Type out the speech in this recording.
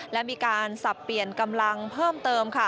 และมีการสับเปลี่ยนกำลังเพิ่มเติมค่ะ